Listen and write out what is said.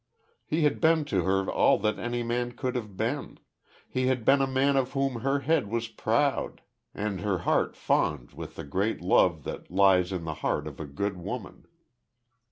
He had been to her all that any man could have been. He had been a man of whom her head was proud and her heart fond with the great love that lies in the heart of a good woman.